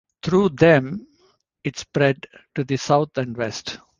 Through them, it spread to the South and West.